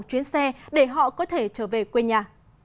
chuyến xe để họ có thể trở về quê nhà